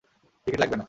Ticket লাগবে না।